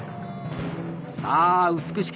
さあ美しき